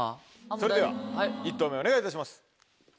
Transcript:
それでは１投目お願いいたします。